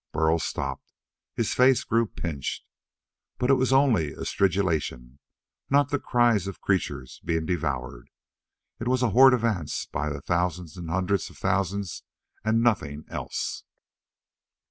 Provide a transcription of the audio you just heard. Burl stopped; his face grew pinched. But it was only a stridulation, not the cries of creatures being devoured. It was a horde of ants by the thousands and hundreds of thousands, and nothing else.